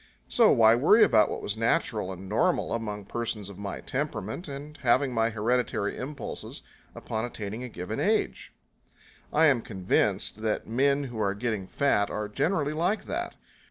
So why worry about what was natural and normal among persons of my temperament, and having my hereditary impulses, upon attaining a given age? I am convinced that men who are getting fat are generally like that.